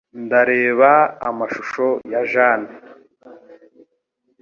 Ndareba amashusho ya Jane.